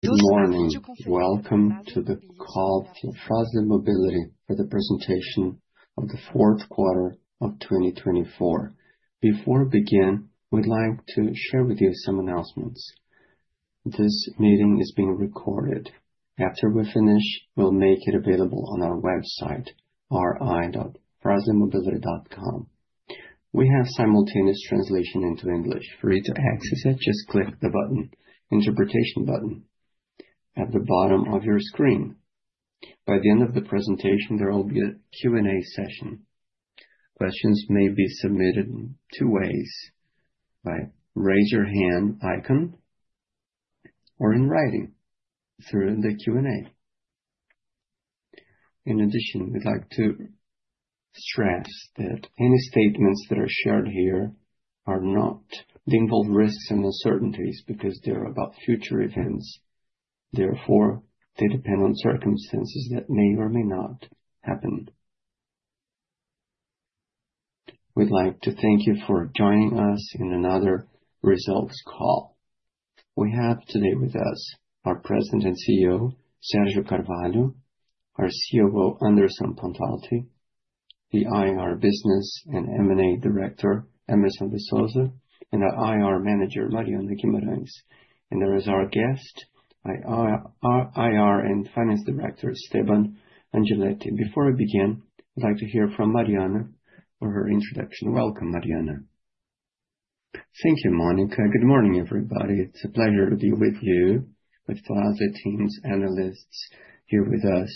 Good morning. Welcome to the call for Fras-le Mobility for the presentation of the fourth quarter of 2024. Before we begin, we'd like to share with you some announcements. This meeting is being recorded. After we finish, we'll make it available on our website, ri.fras-le-mobility.com. We have simultaneous translation into English. For you to access it, just click the Interpretation button at the bottom of your screen. By the end of the presentation, there will be a Q&A session. Questions may be submitted in two ways: by raise-your-hand icon or in writing through the Q&A. In addition, we'd like to stress that any statements that are shared here are not. They involve risks and uncertainties because they're about future events. Therefore, they depend on circumstances that may or may not happen. We'd like to thank you for joining us in another results call. We have today with us our President and CEO, Sérgio Carvalho, our COO, Anderson Pontalti, the IR, Business, and M&A Director, Hemerson de Souza, and our IR Manager, Mariana Guimarães. There is our guest, our IR and Finance Director, Esteban Angeletti. Before we begin, we'd like to hear from Mariana for her introduction. Welcome, Mariana. Thank you, Mónica. Good morning, everybody. It's a pleasure to be with you, with Fras-le team's analysts here with us.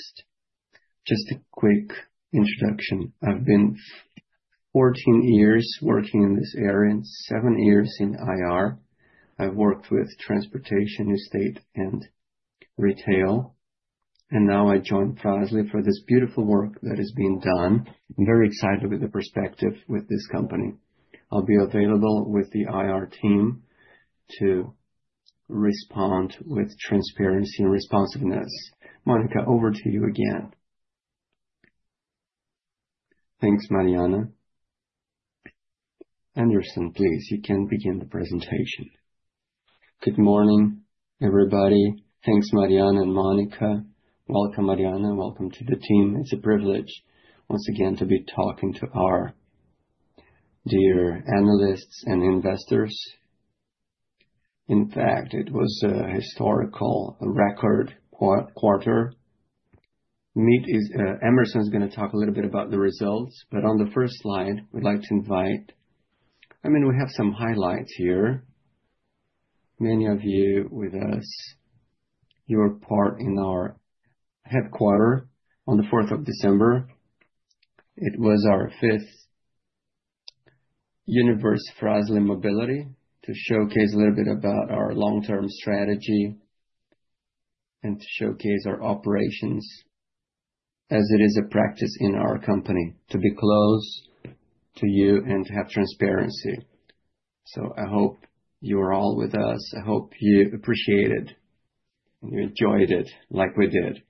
Just a quick introduction. I've been 14 years working in this area and 7 years in IR. I've worked with transportation, estate, and retail. Now I join Fras-le for this beautiful work that is being done. I'm very excited with the perspective with this company. I'll be available with the IR team to respond with transparency and responsiveness. Mónica, over to you again. Thanks, Mariana. Anderson, please, you can begin the presentation. Good morning, everybody. Thanks, Mariana and Mónica. Welcome, Mariana. Welcome to the team. It's a privilege, once again, to be talking to our dear analysts and investors. In fact, it was a historical record quarter. Hemerson is going to talk a little bit about the results, but on the first slide, we'd like to invite—I mean, we have some highlights here. Many of you with us, your part in our headquarter on the 4th of December. It was our fifth Universo Fras-le Mobility to showcase a little bit about our long-term strategy and to showcase our operations as it is a practice in our company to be close to you and to have transparency. I hope you are all with us. I hope you appreciate it and you enjoyed it like we did.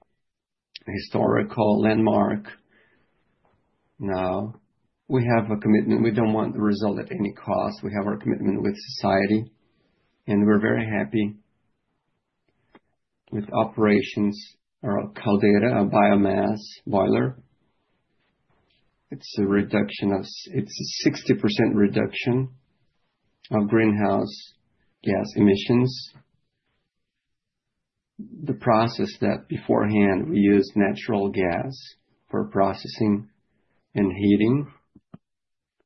Historical landmark. Now, we have a commitment. We don't want the result at any cost. We have our commitment with society. We're very happy with operations, our Caldeira biomass boiler. It's a 60% reduction of greenhouse gas emissions. The process that beforehand we used natural gas for processing and heating.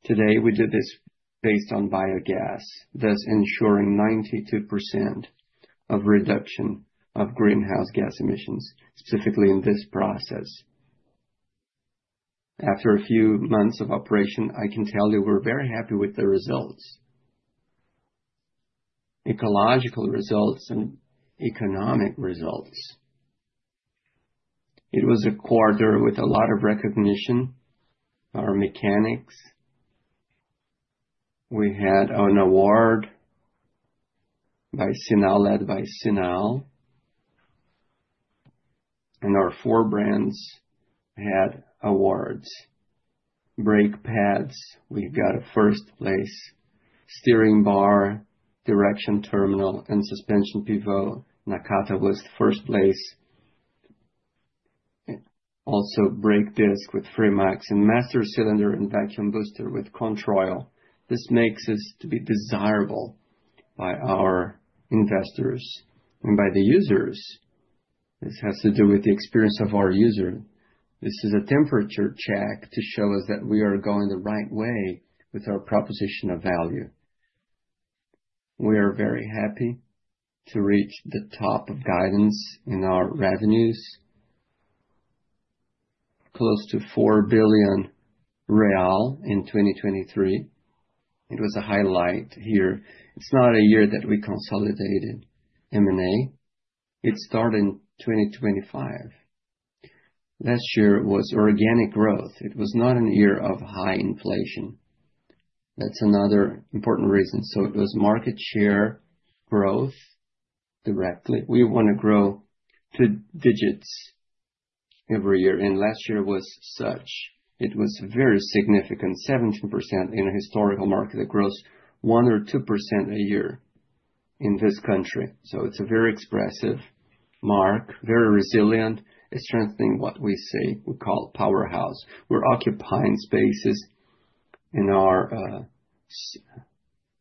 Today, we do this based on biogas, thus ensuring 92% of reduction of greenhouse gas emissions, specifically in this process. After a few months of operation, I can tell you we're very happy with the results: ecological results and economic results. It was a quarter with a lot of recognition. Our mechanics, we had an award by CINAU, led by CINAU. Our four brands had awards. Brake pads, we got a first place. Steering bar, direction terminal, and suspension pivot Nakata was first place. Also, brake disc with Fremax and master cylinder and vacuum booster with Controil. This makes us to be desirable by our investors and by the users. This has to do with the experience of our user. This is a temperature check to show us that we are going the right way with our proposition of value. We are very happy to reach the top of guidance in our revenues, close to 4 billion real in 2023. It was a highlight here. It's not a year that we consolidated M&A. It started in 2025. Last year was organic growth. It was not a year of high inflation. That's another important reason. It was market share growth directly. We want to grow two digits every year. Last year was such. It was very significant, 17% in a historical market that grows 1%-2% a year in this country. It is a very expressive mark, very resilient, strengthening what we say we call powerhouse. We're occupying spaces in our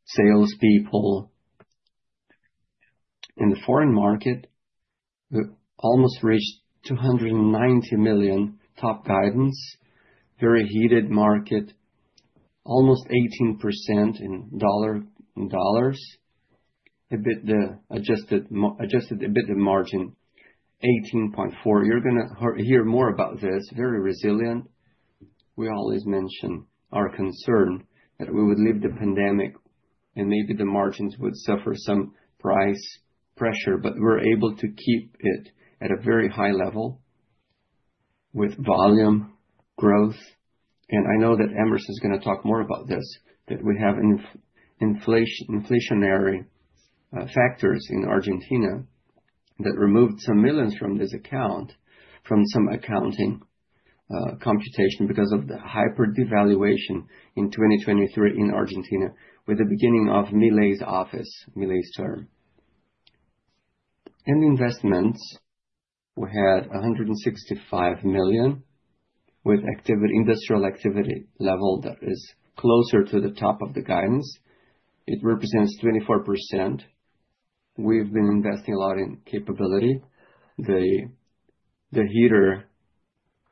salespeople. In the foreign market, we almost reached 290 million top guidance, very heated market, almost 18% in dollars, a bit adjusted a bit of margin, 18.4%. You are going to hear more about this. Very resilient. We always mention our concern that we would leave the pandemic and maybe the margins would suffer some price pressure, but we are able to keep it at a very high level with volume growth. I know that Hemerson is going to talk more about this, that we have inflationary factors in Argentina that removed some millions from this account, from some accounting computation because of the hyper-devaluation in 2023 in Argentina with the beginning of Milei's office, Milei's term. In investments, we had 165 million with industrial activity level that is closer to the top of the guidance. It represents 24%. We have been investing a lot in capability. The heater is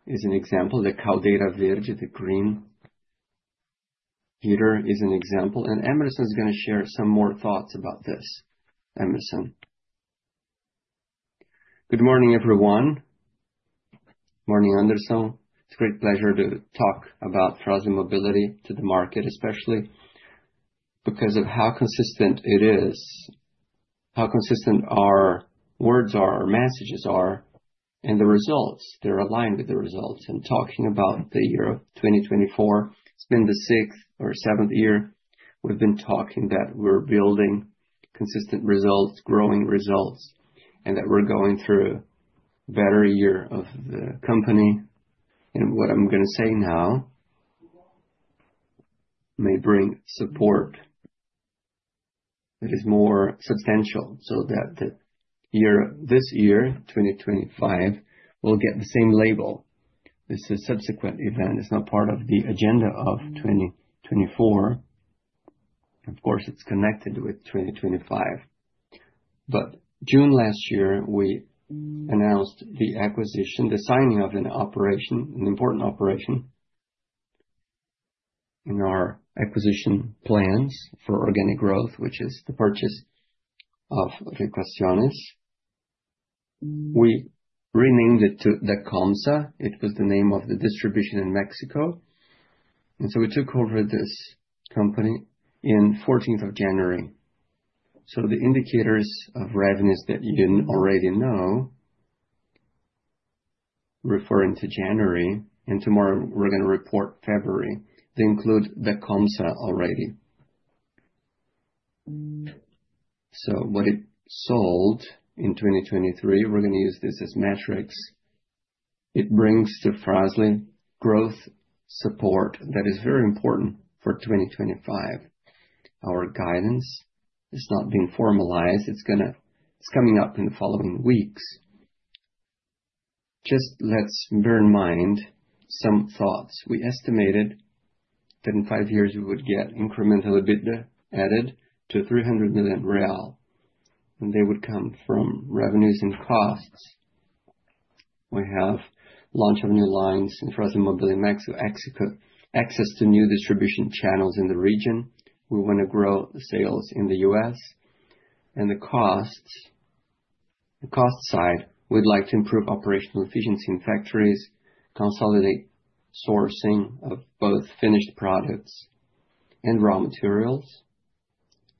an example, the Caldeira Verde, the green heater is an example. Hemerson is going to share some more thoughts about this. Hemerson. Good morning, everyone. Morning, Anderson. It's a great pleasure to talk about Fras-le Mobility to the market, especially because of how consistent it is, how consistent our words are, our messages are, and the results. They are aligned with the results. Talking about the year of 2024, it's been the sixth or seventh year we've been talking that we're building consistent results, growing results, and that we're going through a better year of the company. What I'm going to say now may bring support that is more substantial so that this year, 2025, we'll get the same label. This is a subsequent event. It's not part of the agenda of 2024. Of course, it's connected with 2025. June last year, we announced the acquisition, the signing of an operation, an important operation in our acquisition plans for organic growth, which is the purchase of Kuo Refacciones. We renamed it to Dacomsa. It was the name of the distribution in Mexico. We took over this company on the 14th of January. The indicators of revenues that you already know, referring to January, and tomorrow we're going to report February, they include Dacomsa already. What it sold in 2023, we're going to use this as metrics. It brings to Fras-le growth support that is very important for 2025. Our guidance has not been formalized. It's coming up in the following weeks. Just let's bear in mind some thoughts. We estimated that in five years, we would get incremental EBITDA added to 300 million real, and they would come from revenues and costs. We have launch of new lines in Fras-le Mobility Mexico, access to new distribution channels in the region. We want to grow the sales in the U.S. On the cost side, we'd like to improve operational efficiency in factories, consolidate sourcing of both finished products and raw materials.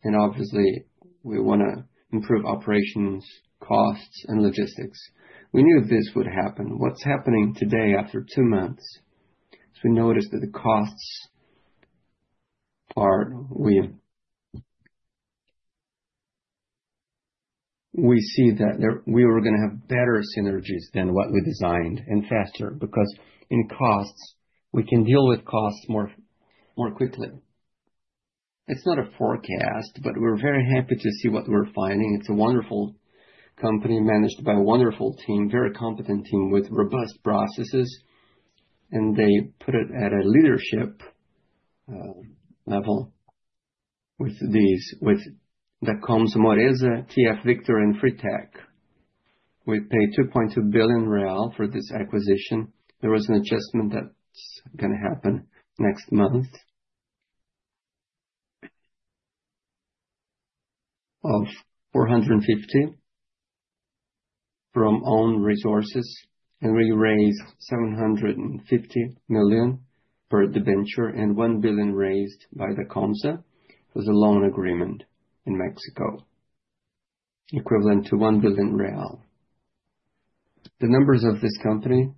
Obviously, we want to improve operations, costs, and logistics. We knew this would happen. What's happening today after two months is we noticed that the costs part, we see that we were going to have better synergies than what we designed and faster because in costs, we can deal with costs more quickly. It's not a forecast, but we're very happy to see what we're finding. It's a wonderful company managed by a wonderful team, very competent team with robust processes. They put it at a leadership level with Dacomsa, Moresa, TF Victor, and Fritec. We paid 2.2 billion real for this acquisition. There was an adjustment that's going to happen next month of 450 million from own resources. We raised 750 million for the venture and 1 billion raised by Dacomsa. It was a loan agreement in Mexico, equivalent to 1 billion real. The numbers of this company,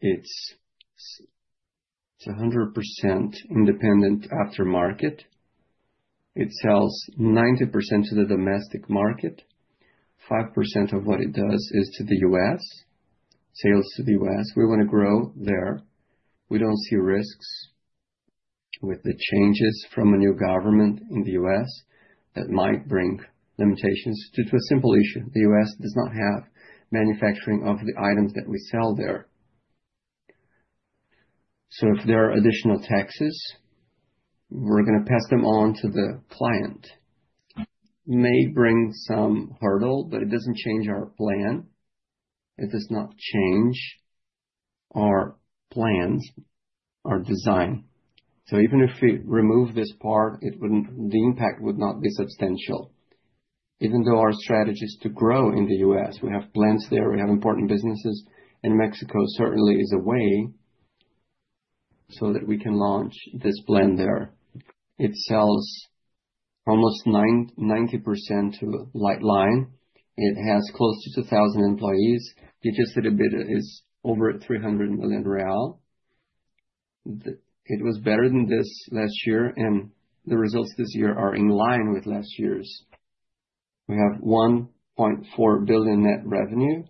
it's 100% independent aftermarket. It sells 90% to the domestic market. 5% of what it does is to the U.S., sales to the U.S. We want to grow there. We don't see risks with the changes from a new government in the U.S. that might bring limitations due to a simple issue. The U.S. does not have manufacturing of the items that we sell there. If there are additional taxes, we're going to pass them on to the client. May bring some hurdle, but it doesn't change our plan. It does not change our plans, our design. Even if we remove this part, the impact would not be substantial. Even though our strategy is to grow in the U.S., we have plants there. We have important businesses. Mexico certainly is a way so that we can launch this plan there. It sells almost 90% to light line. It has close to 2,000 employees. Adjusted EBITDA is over 300 million real. It was better than this last year, and the results this year are in line with last year's. We have 1.4 billion net revenue.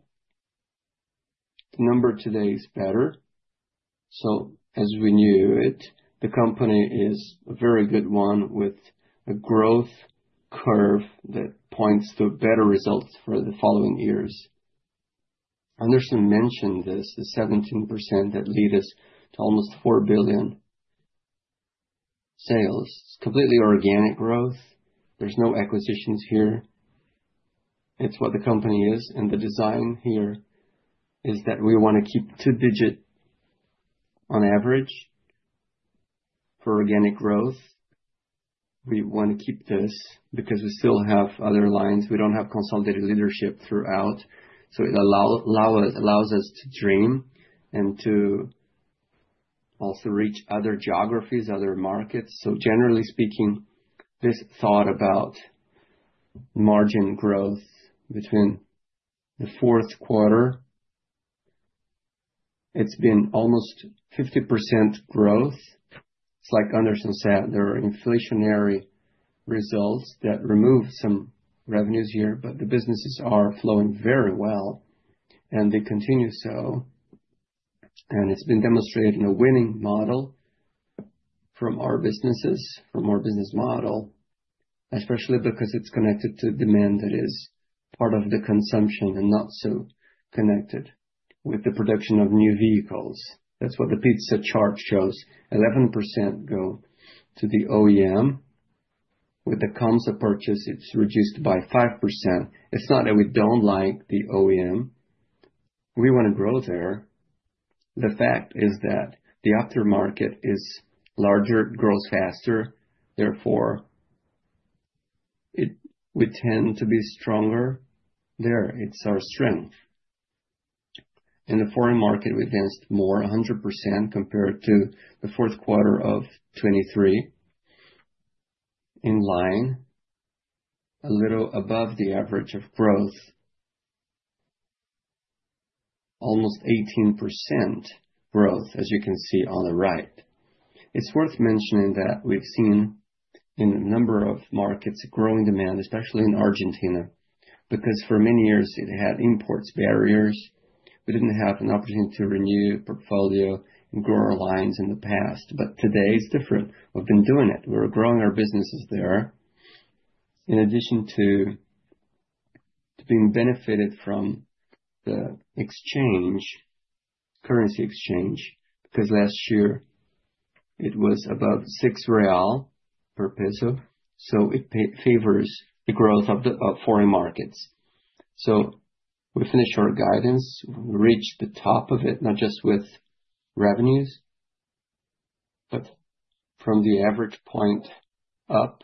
The number today is better. As we knew it, the company is a very good one with a growth curve that points to better results for the following years. Anderson mentioned this, the 17% that lead us to almost 4 billion sales. It is completely organic growth. There are no acquisitions here. It's what the company is. The design here is that we want to keep two digits on average for organic growth. We want to keep this because we still have other lines. We don't have consolidated leadership throughout. It allows us to dream and to also reach other geographies, other markets. Generally speaking, this thought about margin growth between the fourth quarter, it's been almost 50% growth. Like Anderson said, there are inflationary results that remove some revenues here, but the businesses are flowing very well, and they continue so. It's been demonstrated in a winning model from our businesses, from our business model, especially because it's connected to demand that is part of the consumption and not so connected with the production of new vehicles. That's what the pizza chart shows. 11% go to the OEM. With Dacomsa purchase, it's reduced by 5%. It's not that we don't like the OEM. We want to grow there. The fact is that the aftermarket is larger, grows faster. Therefore, we tend to be stronger there. It's our strength. In the foreign market, we advanced more 100% compared to the fourth quarter of 2023 in line, a little above the average of growth, almost 18% growth, as you can see on the right. It's worth mentioning that we've seen in a number of markets growing demand, especially in Argentina, because for many years, it had imports barriers. We didn't have an opportunity to renew portfolio and grow our lines in the past. Today is different. We've been doing it. We're growing our businesses there. In addition to being benefited from the exchange, currency exchange, because last year it was about 6 real per Argentine peso. It favors the growth of the foreign markets. We finished our guidance. We reached the top of it, not just with revenues, but from the average point up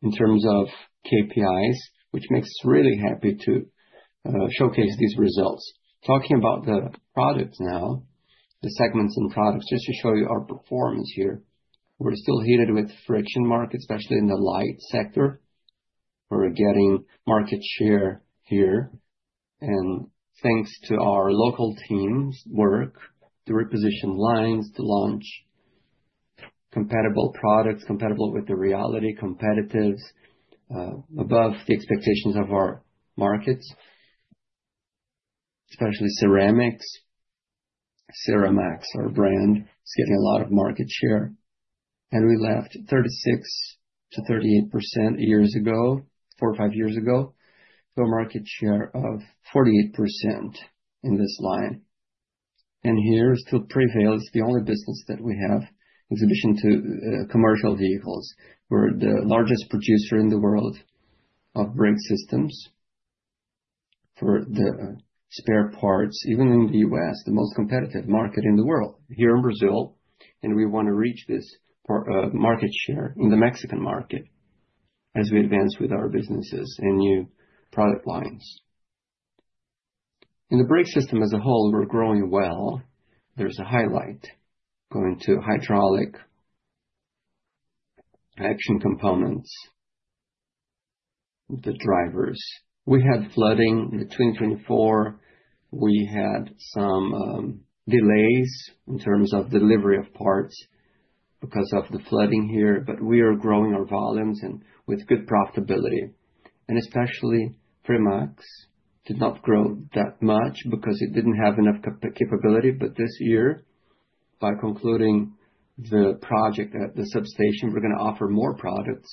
in terms of KPIs, which makes us really happy to showcase these results. Talking about the products now, the segments and products, just to show you our performance here. We're still heated with friction markets, especially in the light sector. We're getting market share here. Thanks to our local team's work to reposition lines, to launch compatible products, compatible with the reality, competitives, above the expectations of our markets, especially ceramics. Ceramaxx, our brand, is getting a lot of market share. We left 36%-38% years ago, four or five years ago, to a market share of 48% in this line. Here still prevails. It's the only business that we have in addition to commercial vehicles. We're the largest producer in the world of brake systems for the spare parts, even in the U.S., the most competitive market in the world here in Brazil. We want to reach this market share in the Mexican market as we advance with our businesses and new product lines. In the brake system as a whole, we're growing well. There's a highlight going to hydraulic action components, the drivers. We had flooding in 2024. We had some delays in terms of delivery of parts because of the flooding here, but we are growing our volumes and with good profitability. Especially Fremax did not grow that much because it didn't have enough capability. This year, by concluding the project at the substation, we're going to offer more products.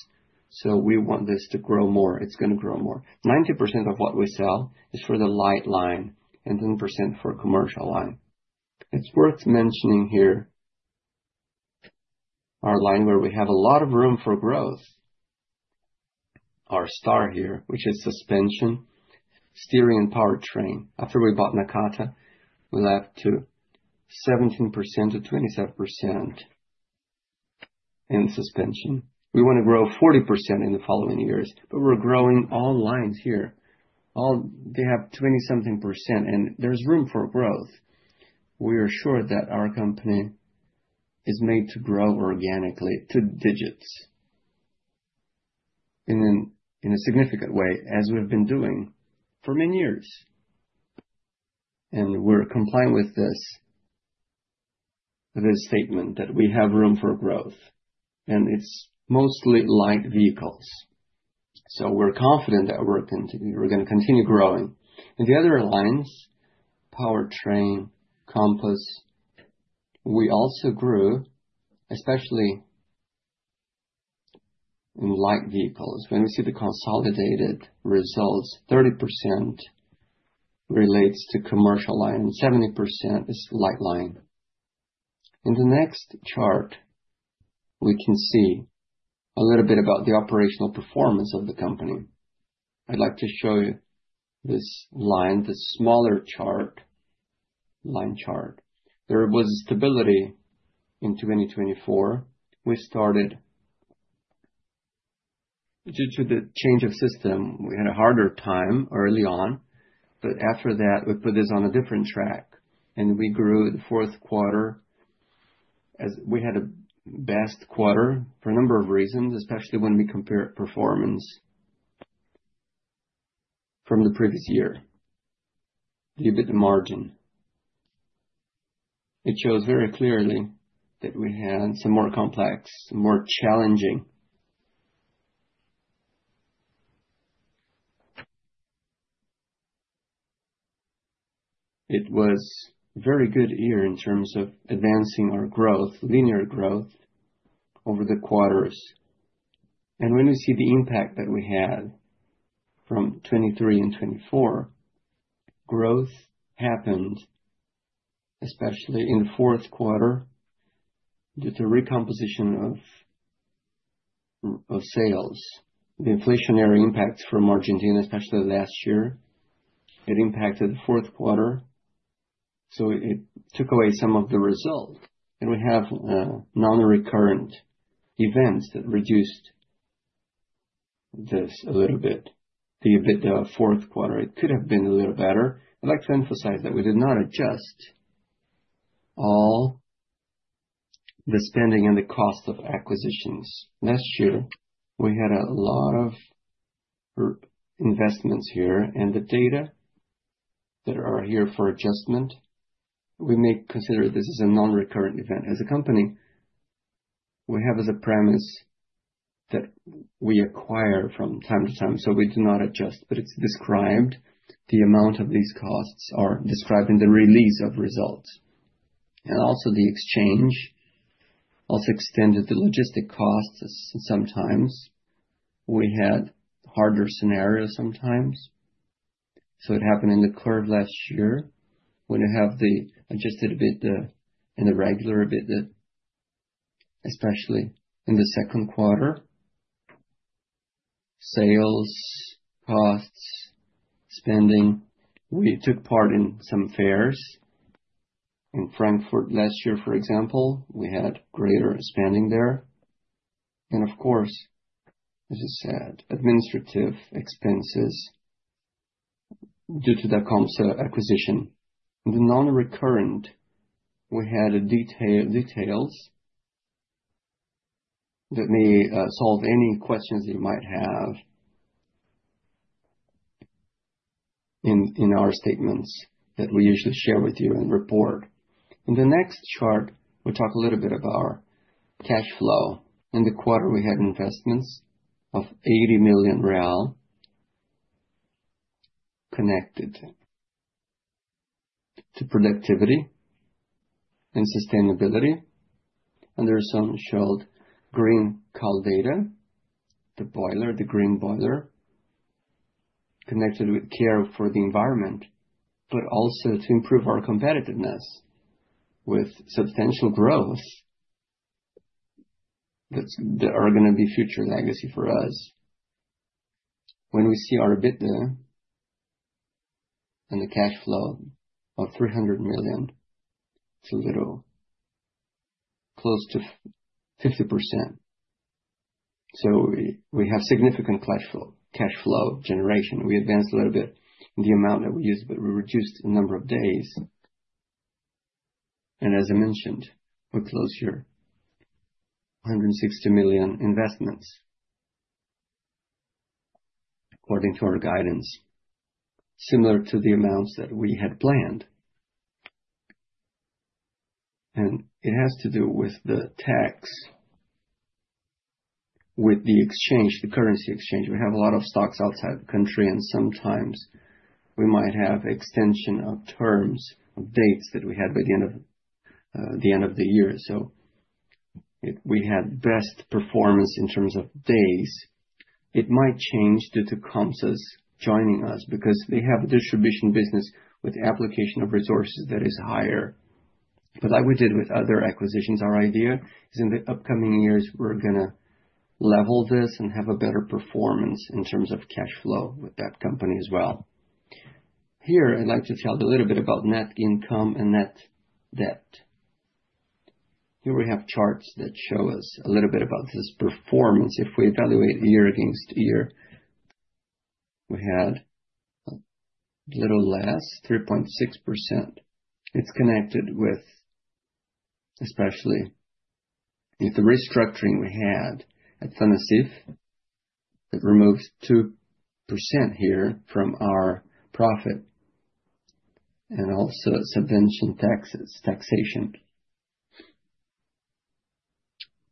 We want this to grow more. It's going to grow more. 90% of what we sell is for the light line and 10% for commercial line. It's worth mentioning here our line where we have a lot of room for growth. Our star here, which is suspension, steering, and powertrain. After we bought Nakata, we left to 17% to 27% in suspension. We want to grow 40% in the following years, but we're growing all lines here. They have 20-something percent, and there's room for growth. We are sure that our company is made to grow organically to digits in a significant way, as we've been doing for many years. We're compliant with this statement that we have room for growth. It's mostly light vehicles. We're confident that we're going to continue growing. The other lines, powertrain, compass, we also grew, especially in light vehicles. When we see the consolidated results, 30% relates to commercial line, and 70% is light line. In the next chart, we can see a little bit about the operational performance of the company. I'd like to show you this line, the smaller chart, line chart. There was stability in 2024. We started due to the change of system. We had a harder time early on. After that, we put this on a different track. We grew the fourth quarter. We had a best quarter for a number of reasons, especially when we compare performance from the previous year. The EBITDA margin, it shows very clearly that we had some more complex, more challenging. It was a very good year in terms of advancing our growth, linear growth over the quarters. When we see the impact that we had from 2023 and 2024, growth happened, especially in the fourth quarter due to recomposition of sales. The inflationary impacts from Argentina, especially last year, impacted the fourth quarter. It took away some of the result. We have non-recurrent events that reduced this a little bit. The EBITDA fourth quarter could have been a little better. I'd like to emphasize that we did not adjust all the spending and the cost of acquisitions. Last year, we had a lot of investments here. The data that are here for adjustment, we may consider this as a non-recurrent event. As a company, we have as a premise that we acquire from time to time. We do not adjust, but it is described. The amount of these costs is described in the release of results. The exchange also extended the logistic costs sometimes. We had harder scenarios sometimes. It happened in the curve last year when you have the adjusted EBITDA and the regular EBITDA, especially in the second quarter. Sales, costs, spending. We took part in some fairs in Frankfurt last year, for example. We had greater spending there. Of course, as you said, administrative expenses due to Dacomsa acquisition. The non-recurrent, we had details that may solve any questions you might have in our statements that we usually share with you and report. In the next chart, we talk a little bit about our cash flow. In the quarter, we had investments of 80 million real connected to productivity and sustainability. There is some showed Green Caldeira, the boiler, the green boiler, connected with care for the environment, but also to improve our competitiveness with substantial growth that are going to be future legacy for us. When we see our EBITDA and the cash flow of $300 million, it is a little close to 50%. We have significant cash flow generation. We advanced a little bit in the amount that we used, but we reduced the number of days. As I mentioned, we closed here 160 million investments according to our guidance, similar to the amounts that we had planned. It has to do with the tax, with the exchange, the currency exchange. We have a lot of stocks outside the country, and sometimes we might have extension of terms of dates that we had by the end of the year. We had best performance in terms of days. It might change due to Dacomsa's joining us because they have a distribution business with application of resources that is higher. Like we did with other acquisitions, our idea is in the upcoming years, we're going to level this and have a better performance in terms of cash flow with that company as well. Here, I'd like to tell you a little bit about net income and net debt. Here we have charts that show us a little bit about this performance. If we evaluate year against year, we had a little less, 3.6%. It's connected with especially with the restructuring we had at Tennessee that removes 2% here from our profit and also subvention taxation.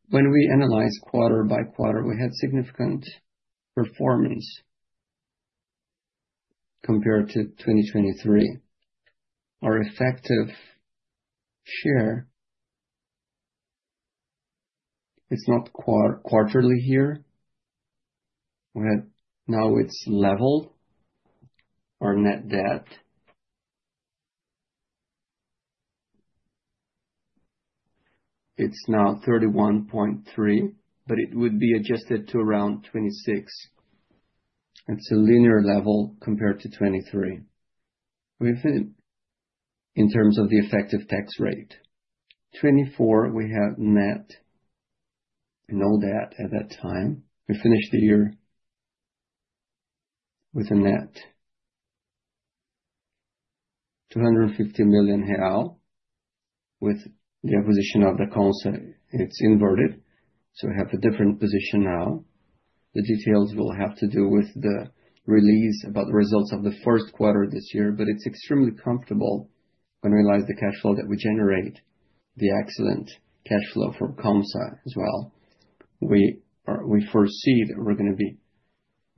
When we analyze quarter by quarter, we had significant performance compared to 2023. Our effective share, it's not quarterly here. Now it's leveled. Our net debt, it's now 31.3 million, but it would be adjusted to around 26 million. It's a linear level compared to 2023 in terms of the effective tax rate. In 2024, we had no net debt at that time. We finished the year with a net 250 million real with the acquisition of Dacomsa. It's inverted. We have a different position now. The details will have to do with the release about the results of the first quarter this year. It's extremely comfortable when we realize the cash flow that we generate, the excellent cash flow from Dacomsa as well. We foresee that we're going to be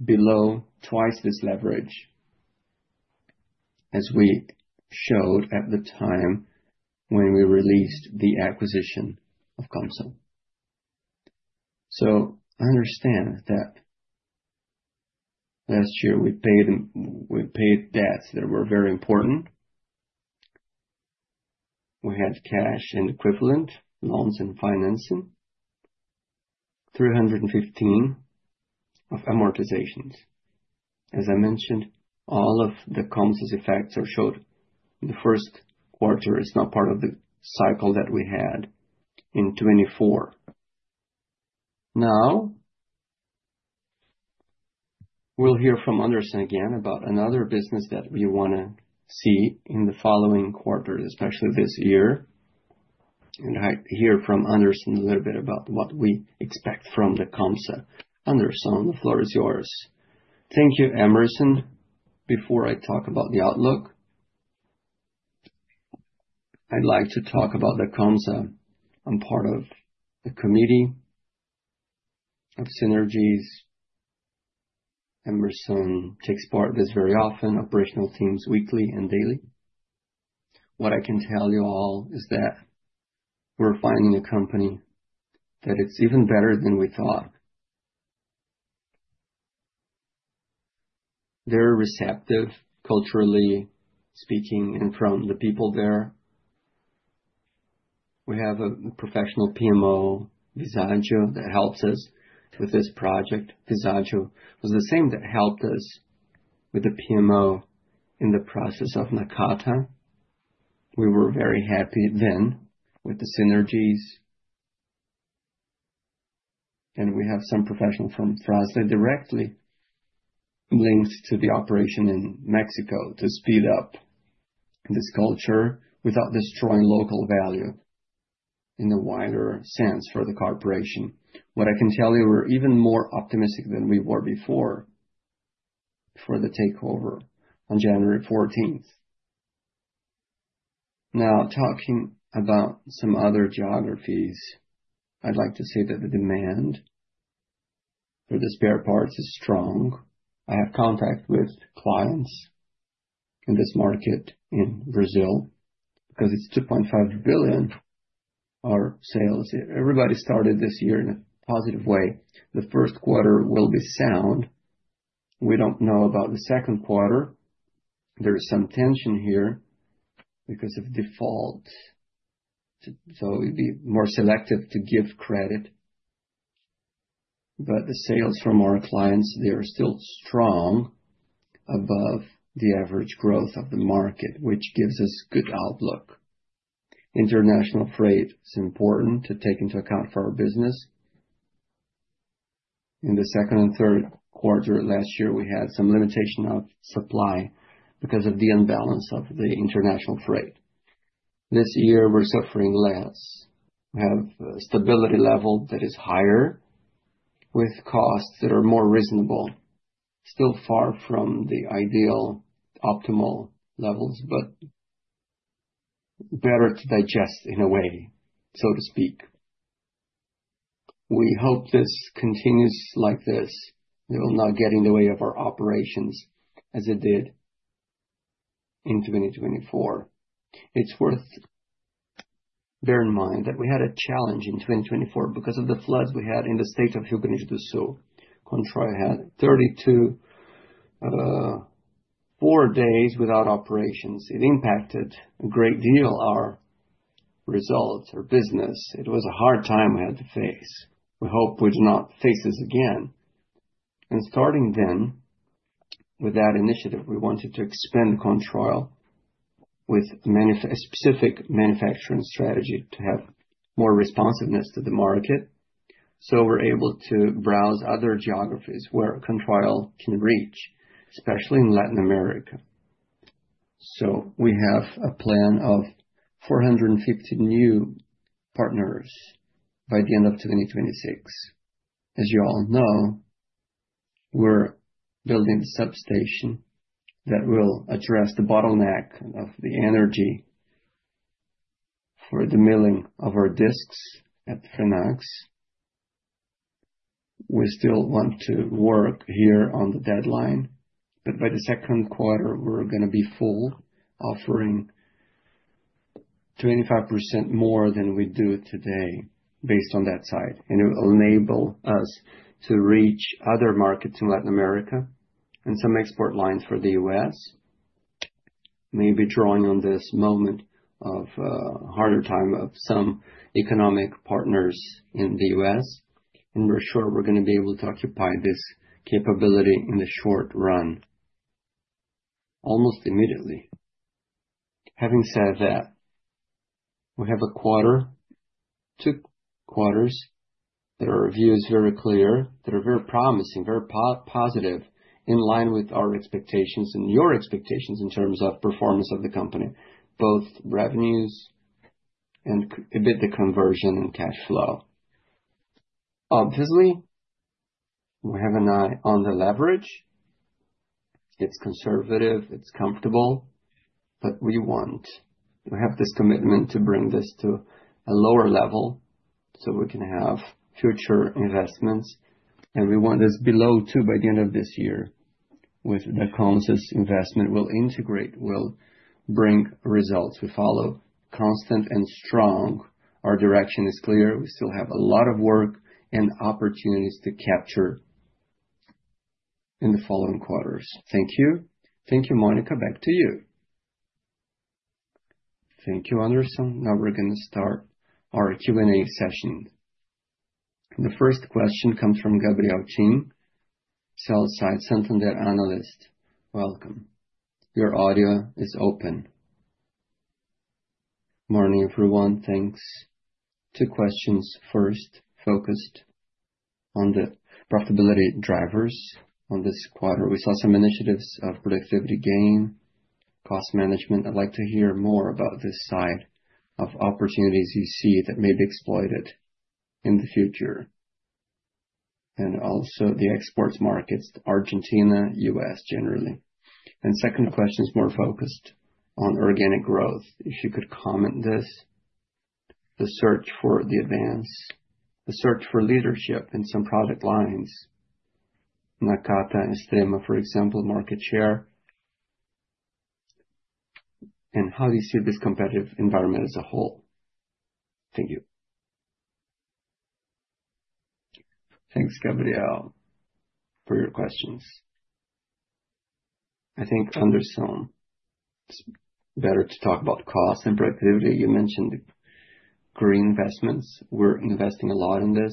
below 2x this leverage as we showed at the time when we released the acquisition of Dacomsa. I understand that last year we paid debts that were very important. We had cash and equivalent loans and financing, BRL 315 million of amortizations. As I mentioned, all of the Dacomsa's effects are showed in the first quarter. It's not part of the cycle that we had in 2024. Now we'll hear from Anderson again about another business that we want to see in the following quarter, especially this year. I hear from Anderson a little bit about what we expect from Dacomsa. Anderson, the floor is yours. Thank you, Hemerson. Before I talk about the outlook, I'd like to talk about Dacomsa. I'm part of the committee of synergies. Hemerson takes part in this very often, operational teams weekly and daily. What I can tell you all is that we're finding a company that it's even better than we thought. They're receptive, culturally speaking, and from the people there. We have a professional PMO, Visagio, that helps us with this project. Visagio was the same that helped us with the PMO in the process of Nakata. We were very happy then with the synergies. We have some professional from Fras-le directly linked to the operation in Mexico to speed up this culture without destroying local value in the wider sense for the corporation. What I can tell you, we're even more optimistic than we were before for the takeover on January 14. Now, talking about some other geographies, I'd like to say that the demand for the spare parts is strong. I have contact with clients in this market in Brazil because it's 2.5 billion our sales. Everybody started this year in a positive way. The first quarter will be sound. We don't know about the second quarter. There is some tension here because of default. We'd be more selective to give credit. The sales from our clients, they are still strong above the average growth of the market, which gives us good outlook. International freight is important to take into account for our business. In the second and third quarter last year, we had some limitation of supply because of the imbalance of the international freight. This year, we're suffering less. We have a stability level that is higher with costs that are more reasonable. Still far from the ideal optimal levels, but better to digest in a way, so to speak. We hope this continues like this. It will not get in the way of our operations as it did in 2024. It's worth bearing in mind that we had a challenge in 2024 because of the floods we had in the state of Rio Grande do Sul. Controil had 32 or four days without operations. It impacted a great deal our results, our business. It was a hard time we had to face. We hope we do not face this again. Starting then with that initiative, we wanted to expand Controil with a specific manufacturing strategy to have more responsiveness to the market. We are able to browse other geographies where Controil can reach, especially in Latin America. We have a plan of 450 new partners by the end of 2026. As you all know, we are building the substation that will address the bottleneck of the energy for the milling of our discs at Fremax. We still want to work here on the deadline. By the second quarter, we are going to be full, offering 25% more than we do today based on that site. It will enable us to reach other markets in Latin America and some export lines for the U.S., maybe drawing on this moment of harder time of some economic partners in the U.S. We are sure we are going to be able to occupy this capability in the short run, almost immediately. Having said that, we have a quarter, two quarters that our view is very clear, that are very promising, very positive, in line with our expectations and your expectations in terms of performance of the company, both revenues and EBITDA conversion and cash flow. Obviously, we have an eye on the leverage. It is conservative. It is comfortable. We have this commitment to bring this to a lower level so we can have future investments. We want this below two by the end of this year with Dacomsa's investment will integrate, will bring results. We follow constant and strong. Our direction is clear. We still have a lot of work and opportunities to capture in the following quarters. Thank you. Thank you, Mónica. Back to you. Thank you, Anderson. Now we are going to start our Q&A session. The first question comes from Gabriel Chin, sell-side Santander analyst. Welcome. Your audio is open. Morning, everyone. Thanks. Two questions first focused on the profitability drivers on this quarter. We saw some initiatives of productivity gain, cost management. I would like to hear more about this side of opportunities you see that may be exploited in the future. Also the exports markets, Argentina, U.S. generally. Second question is more focused on organic growth. If you could comment this, the search for the advance, the search for leadership in some product lines, Nakata and Extrema, for example, market share. How do you see this competitive environment as a whole? Thank you. Thanks, Gabriel, for your questions. I think, Anderson, it's better to talk about cost and productivity. You mentioned green investments. We're investing a lot in this.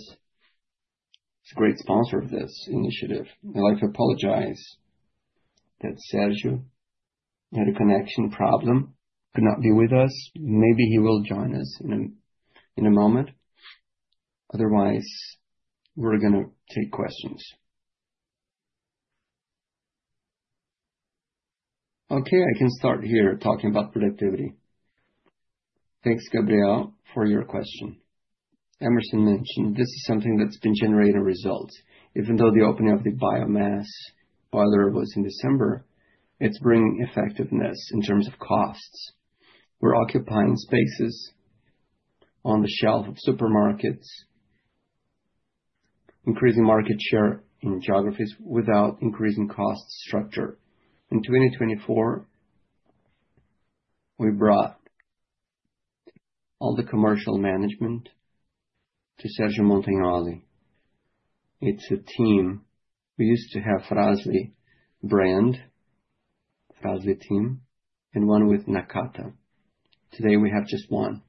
It's a great sponsor of this initiative. I'd like to apologize that Sérgio had a connection problem, could not be with us. Maybe he will join us in a moment. Otherwise, we're going to take questions. Okay, I can start here talking about productivity. Thanks, Gabriel, for your question. Hemerson mentioned this is something that's been generating results. Even though the opening of the biomass boiler was in December, it's bringing effectiveness in terms of costs. We're occupying spaces on the shelf of supermarkets, increasing market share in geographies without increasing cost structure. In 2024, we brought all the commercial management to Sérgio Montagnoli. It's a team. We used to have Fras-le brand, Fras-le team, and one with Nakata. Today, we have just one.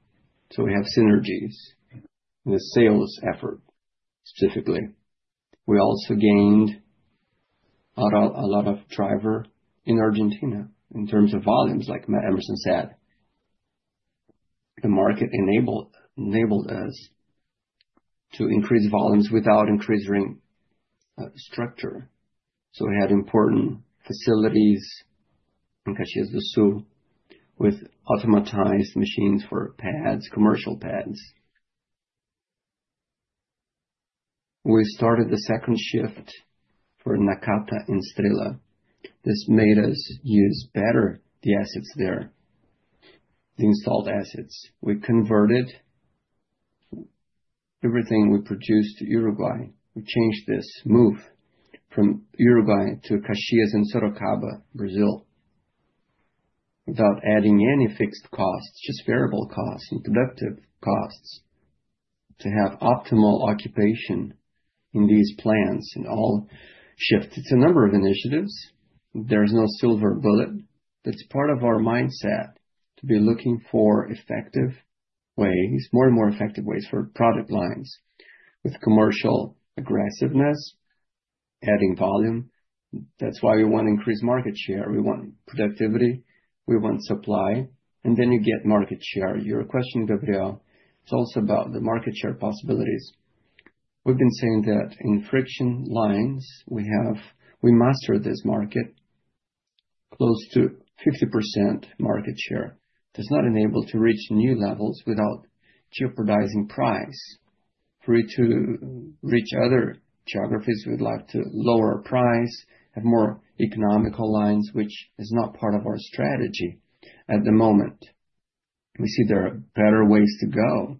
We have synergies in the sales effort specifically. We also gained a lot of driver in Argentina in terms of volumes, like Hemerson said. The market enabled us to increase volumes without increasing structure. We had important facilities in Caxias do Sul with automatized machines for pads, commercial pads. We started the second shift for Nakata and Extrema. This made us use better the assets there, the installed assets. We converted everything we produced to Uruguay. We changed this move from Uruguay to Caxias and Sorocaba, Brazil, without adding any fixed costs, just variable costs and productive costs to have optimal occupation in these plants and all shift. It's a number of initiatives. There's no silver bullet. It's part of our mindset to be looking for effective ways, more and more effective ways for product lines with commercial aggressiveness, adding volume. That's why we want to increase market share. We want productivity. We want supply. You get market share. Your question, Gabriel, it's also about the market share possibilities. We've been saying that in friction lines, we have we mastered this market close to 50% market share. It's not enabled to reach new levels without jeopardizing price. For you to reach other geographies, we'd like to lower price, have more economical lines, which is not part of our strategy at the moment. We see there are better ways to go,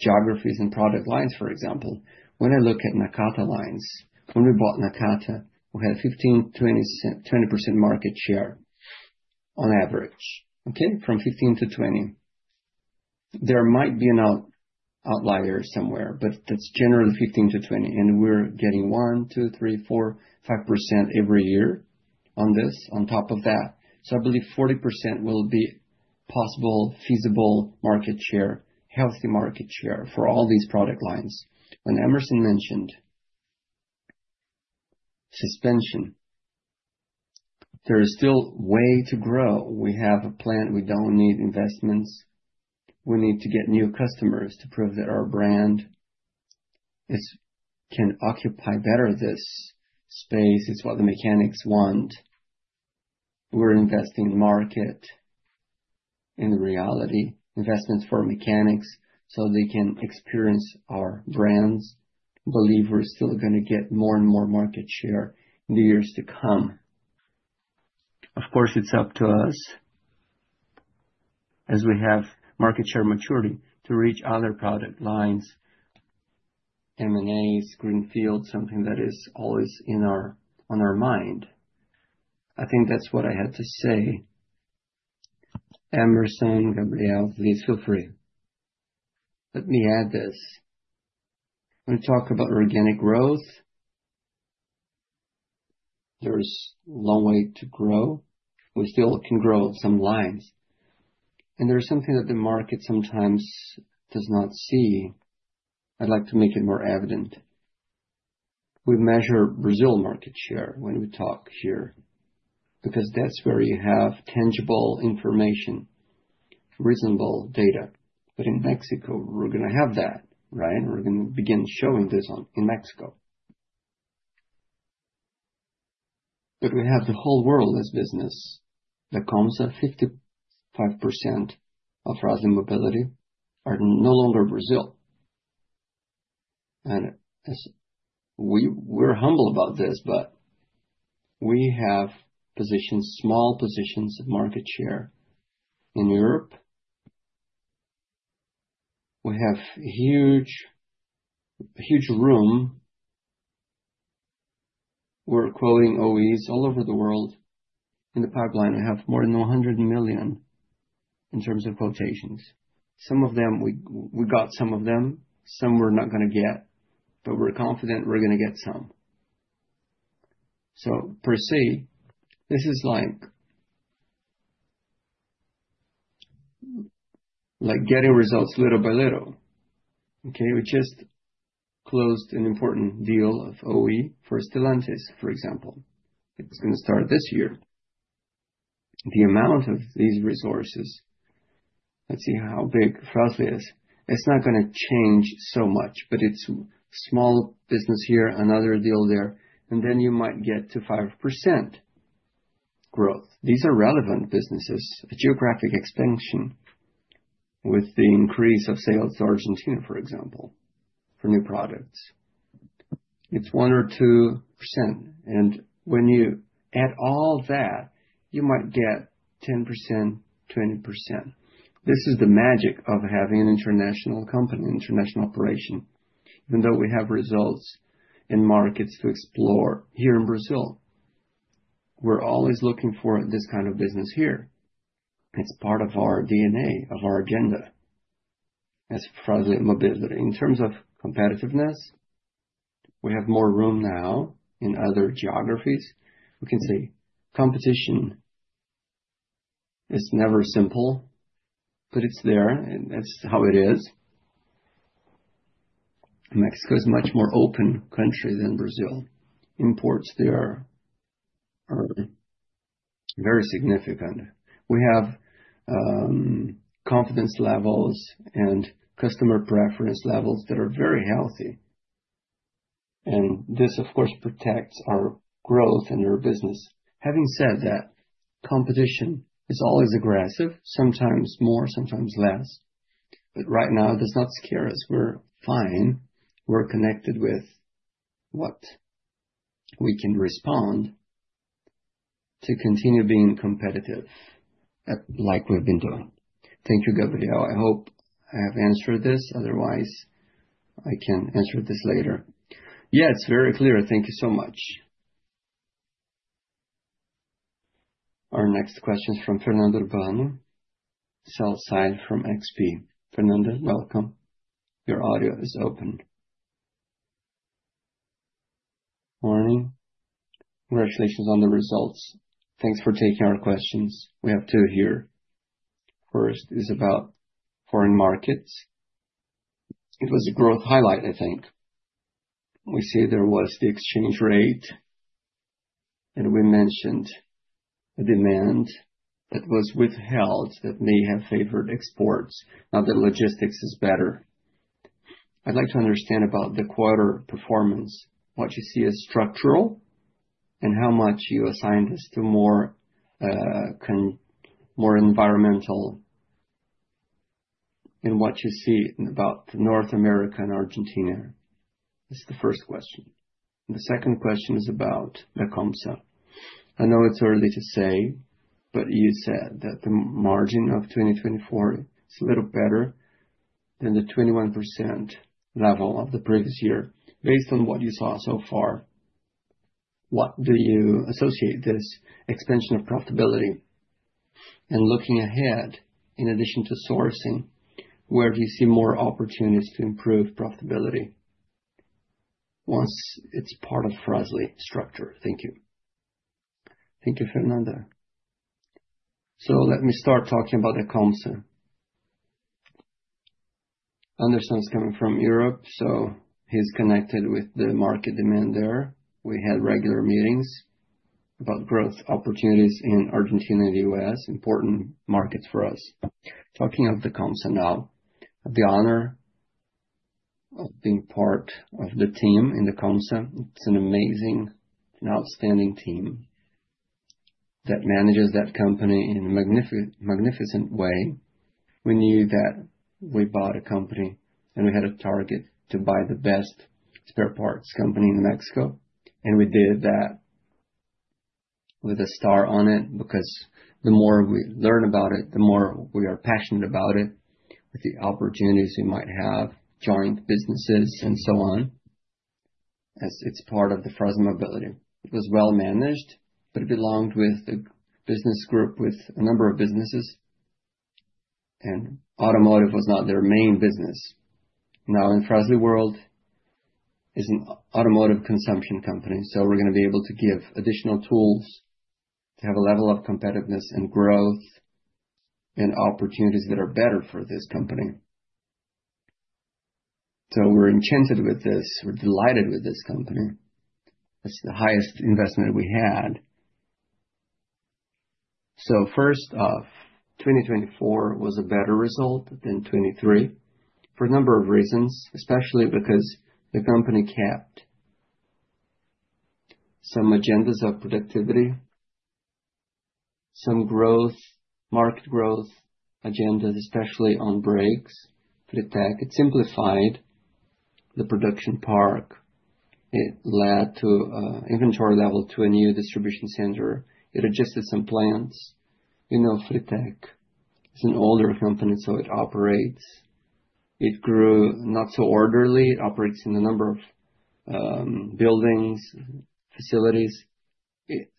geographies and product lines, for example. When I look at Nakata lines, when we bought Nakata, we had 15%-20% market share on average, okay, from 15% to 20%. There might be an outlier somewhere, but that's generally 15%-20%. We're getting 1%, 2%, 3%, 4%, 5% every year on this, on top of that. I believe 40% will be possible, feasible market share, healthy market share for all these product lines. When Hemerson mentioned suspension, there is still way to grow. We have a plan. We don't need investments. We need to get new customers to prove that our brand can occupy better this space. It's what the mechanics want. We're investing in the market, in the reality, investments for mechanics so they can experience our brands. Believe we're still going to get more and more market share in the years to come. Of course, it's up to us, as we have market share maturity, to reach other product lines, M&As, greenfield, something that is always on our mind. I think that's what I had to say. Hemerson, Gabriel, please feel free. Let me add this. When we talk about organic growth, there's a long way to grow. We still can grow some lines. There's something that the market sometimes does not see. I'd like to make it more evident. We measure Brazil market share when we talk here because that's where you have tangible information, reasonable data. In Mexico, we're going to have that, right? We're going to begin showing this in Mexico. We have the whole world as business. Dacomsa 55% of Fras-le Mobility are no longer Brazil. We're humble about this, but we have positions, small positions of market share in Europe. We have huge room. We're quoting OEs all over the world. In the pipeline, we have more than $100 million in terms of quotations. Some of them, we got some of them. Some we're not going to get, but we're confident we're going to get some. Per se, this is like getting results little by little. Okay? We just closed an important deal of OE for Stellantis, for example. It's going to start this year. The amount of these resources, let's see how big Fras-le is. It's not going to change so much, but it's small business here, another deal there. You might get to 5% growth. These are relevant businesses, a geographic expansion with the increase of sales to Argentina, for example, for new products. It's 1% or 2%. When you add all that, you might get 10%-20%. This is the magic of having an international company, international operation. Even though we have results and markets to explore here in Brazil, we're always looking for this kind of business here. It's part of our DNA, of our agenda as Fras-le Mobility. In terms of competitiveness, we have more room now in other geographies. We can see competition. It's never simple, but it's there. That's how it is. Mexico is a much more open country than Brazil. Imports there are very significant. We have confidence levels and customer preference levels that are very healthy. This, of course, protects our growth and our business. Having said that, competition is always aggressive, sometimes more, sometimes less. Right now, it does not scare us. We're fine. We're connected with what we can respond to continue being competitive like we've been doing. Thank you, Gabriel. I hope I have answered this. Otherwise, I can answer this later. Yeah, it's very clear. Thank you so much. Our next question is from Fernanda Urbano, sell side from XP. Fernanda, welcome. Your audio is open. Morning. Congratulations on the results. Thanks for taking our questions. We have two here. First is about foreign markets. It was a growth highlight, I think. We see there was the exchange rate, and we mentioned the demand that was withheld that may have favored exports. Now that logistics is better. I'd like to understand about the quarter performance, what you see as structural and how much you assign this to more environmental and what you see about North America and Argentina. That's the first question. The second question is about Dacomsa. I know it's early to say, but you said that the margin of 2024 is a little better than the 21% level of the previous year. Based on what you saw so far, what do you associate this expansion of profitability and looking ahead in addition to sourcing, where do you see more opportunities to improve profitability once it's part of Fras-le structure? Thank you. Thank you, Fernanda. Let me start talking about Dacomsa. Anderson is coming from Europe, so he's connected with the market demand there. We had regular meetings about growth opportunities in Argentina and the U.S., important markets for us. Talking of Dacomsa now, the honor of being part of the team in Dacomsa, it's an amazing and outstanding team that manages that company in a magnificent way. We knew that we bought a company, and we had a target to buy the best spare parts company in Mexico. We did that with a star on it because the more we learn about it, the more we are passionate about it, with the opportunities we might have, joint businesses, and so on, as it's part of the Fras-le Mobility. It was well managed, but it belonged with a business group with a number of businesses. Automotive was not their main business. Now, in Fras-le world, it's an automotive consumption company. We are going to be able to give additional tools to have a level of competitiveness and growth and opportunities that are better for this company. We are enchanted with this. We are delighted with this company. It's the highest investment we had. First off, 2024 was a better result than 2023 for a number of reasons, especially because the company kept some agendas of productivity, some growth, market growth agendas, especially on brakes, Fritec. It simplified the production park. It led to inventory level to a new distribution center. It adjusted some plants. You know, Fritec is an older company, so it operates. It grew not so orderly. It operates in a number of buildings, facilities.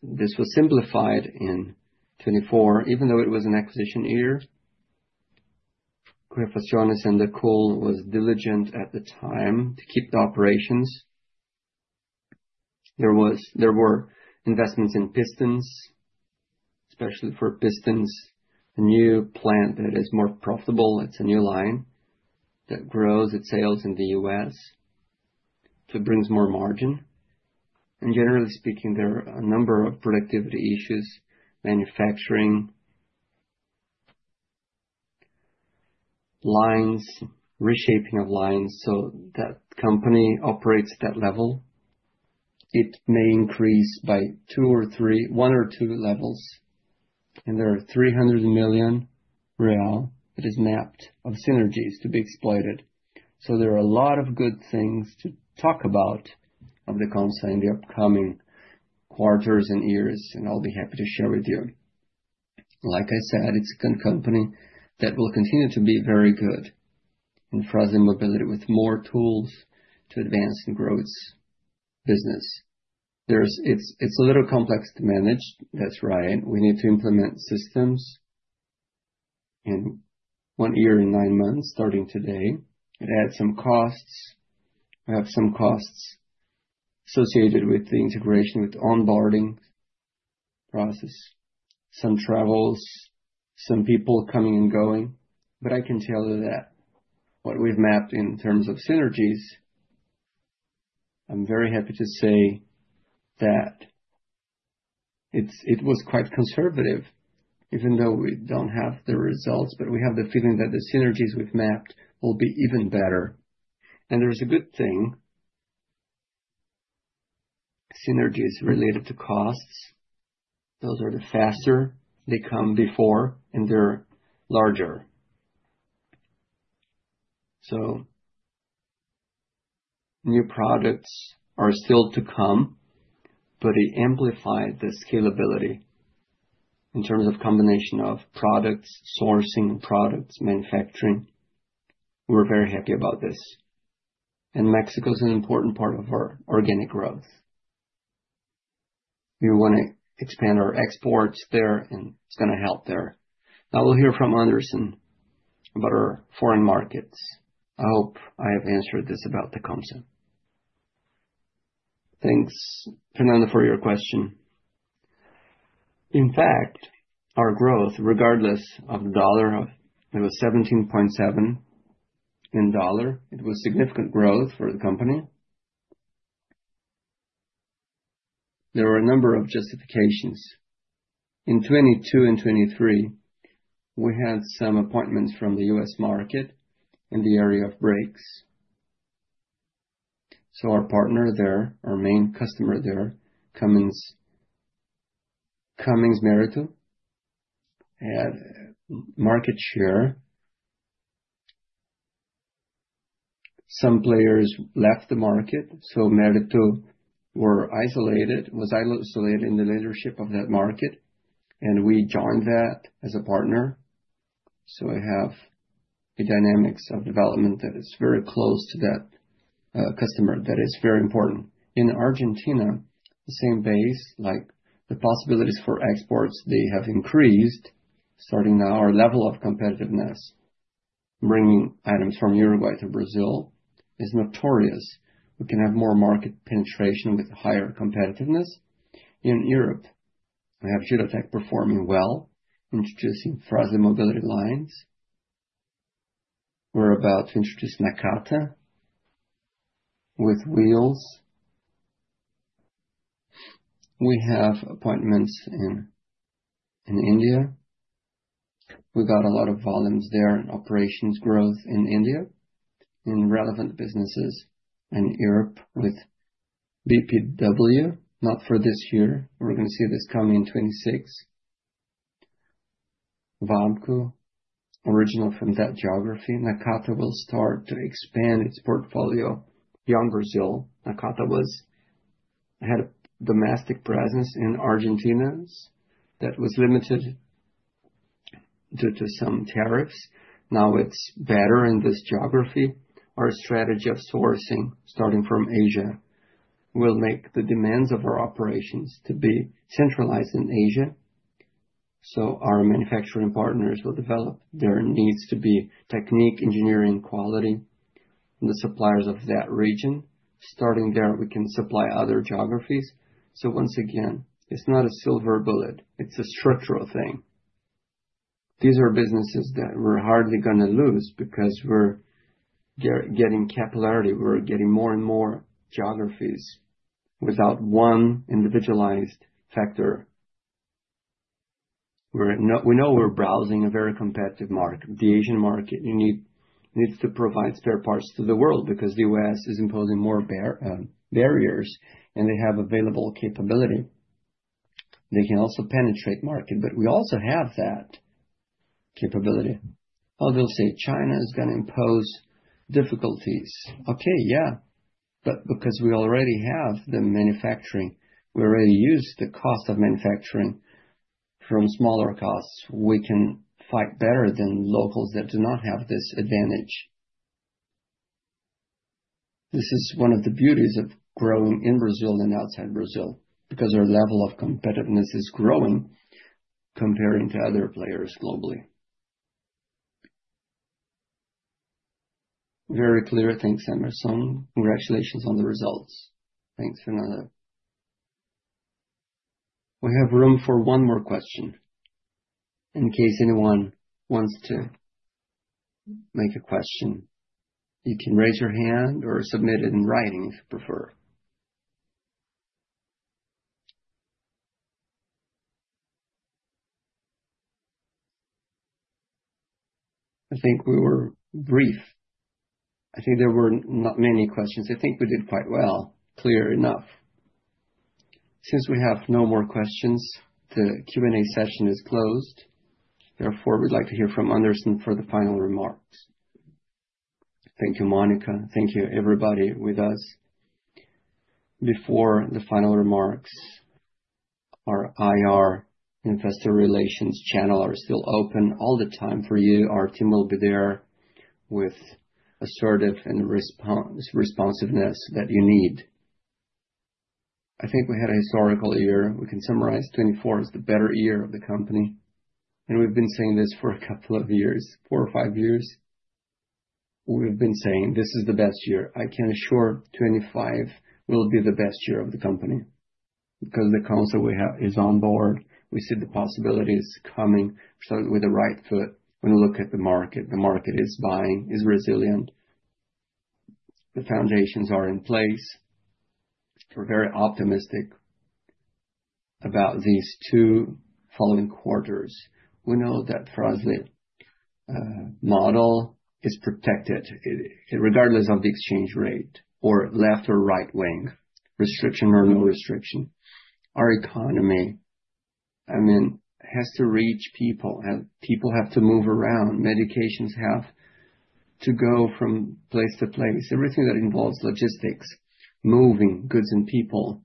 This was simplified in 2024, even though it was an acquisition year. Kuo Refacciones and Kuo was diligent at the time to keep the operations. There were investments in pistons, especially for pistons, a new plant that is more profitable. It's a new line that grows. It sales in the U.S. It brings more margin. Generally speaking, there are a number of productivity issues, manufacturing lines, reshaping of lines. That company operates at that level. It may increase by two or three, one or two levels. There are 300 million real that is mapped of synergies to be exploited. There are a lot of good things to talk about of Dacomsa in the upcoming quarters and years, and I'll be happy to share with you. Like I said, it's a good company that will continue to be very good in Fras-le Mobility with more tools to advance and grow its business. It's a little complex to manage. That's right. We need to implement systems in one year and nine months, starting today. It adds some costs. We have some costs associated with the integration with onboarding process, some travels, some people coming and going. I can tell you that what we've mapped in terms of synergies, I'm very happy to say that it was quite conservative, even though we don't have the results, but we have the feeling that the synergies we've mapped will be even better. There's a good thing. Synergies related to costs, those are the faster. They come before and they're larger. New products are still to come, but it amplified the scalability in terms of combination of products, sourcing products, manufacturing. We're very happy about this. Mexico is an important part of our organic growth. We want to expand our exports there, and it's going to help there. Now we'll hear from Anderson about our foreign markets. I hope I have answered this about Dacomsa. Thanks, Fernanda, for your question. In fact, our growth, regardless of the dollar, it was 17.7% in dollar. It was significant growth for the company. There were a number of justifications. In 2022 and 2023, we had some appointments from the U.S. market in the area of brakes. Our partner there, our main customer there, Cummins Meritor, had market share. Some players left the market, so Meritor was isolated in the leadership of that market, and we joined that as a partner. I have a dynamics of development that is very close to that customer that is very important. In Argentina, the same base, like the possibilities for exports, they have increased starting now our level of competitiveness. Bringing items from Uruguay to Brazil is notorious. We can have more market penetration with higher competitiveness. In Europe, we have Juratek performing well, introducing Fras-le Mobility lines. We're about to introduce Nakata with wheels. We have appointments in India. We got a lot of volumes there and operations growth in India, in relevant businesses in Europe with BPW, not for this year. We're going to see this coming in 2026. Wabco, original from that geography. Nakata will start to expand its portfolio beyond Brazil. Nakata had a domestic presence in Argentina that was limited due to some tariffs. Now it's better in this geography. Our strategy of sourcing starting from Asia will make the demands of our operations to be centralized in Asia. Our manufacturing partners will develop. There needs to be technique, engineering quality in the suppliers of that region. Starting there, we can supply other geographies. Once again, it's not a silver bullet. It's a structural thing. These are businesses that we're hardly going to lose because we're getting capillarity. We're getting more and more geographies without one individualized factor. We know we're browsing a very competitive market. The Asian market needs to provide spare parts to the world because the U.S. is imposing more barriers, and they have available capability. They can also penetrate market, but we also have that capability. Oh, they'll say China is going to impose difficulties. Okay, yeah. Because we already have the manufacturing, we already use the cost of manufacturing from smaller costs, we can fight better than locals that do not have this advantage. This is one of the beauties of growing in Brazil and outside Brazil because our level of competitiveness is growing comparing to other players globally. Very clear. Thanks, Anderson. Congratulations on the results. Thanks, Fernanda. We have room for one more question. In case anyone wants to make a question, you can raise your hand or submit it in writing if you prefer. I think we were brief. I think there were not many questions. I think we did quite well. Clear enough. Since we have no more questions, the Q&A session is closed. Therefore, we'd like to hear from Anderson for the final remarks. Thank you, Mónica. Thank you, everybody with us. Before the final remarks, our IR investor relations channel are still open all the time for you. Our team will be there with assertive and responsiveness that you need. I think we had a historical year. We can summarize 2024 as the better year of the company. And we've been saying this for a couple of years, four or five years. We've been saying this is the best year. I can assure 2025 will be the best year of the company because the council we have is on board. We see the possibilities coming. We started with the right foot. When we look at the market, the market is buying, is resilient. The foundations are in place. We're very optimistic about these two following quarters. We know that Fras-le model is protected, regardless of the exchange rate, or left or right wing, restriction or no restriction. Our economy, I mean, has to reach people. People have to move around. Medications have to go from place to place. Everything that involves logistics, moving goods and people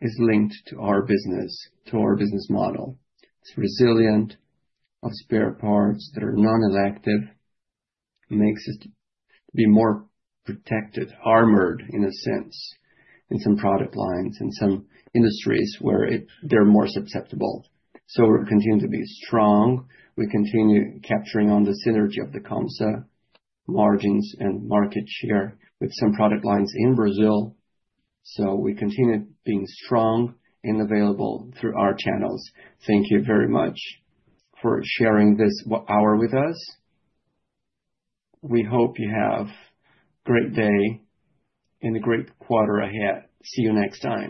is linked to our business, to our business model. It's resilient of spare parts that are non-elective, makes us to be more protected, armored in a sense, in some product lines, in some industries where they're more susceptible. We continue to be strong. We continue capturing on the synergy of Dacomsa margins and market share with some product lines in Brazil. We continue being strong and available through our channels. Thank you very much for sharing this hour with us. We hope you have a great day and a great quarter ahead. See you next time.